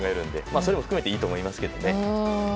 それも含めていいと思いますけどね。